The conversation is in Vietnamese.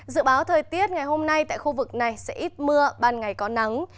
dự báo thời tiết ngày hôm nay tại khu vực này sẽ ít mưa ban ngày có nắng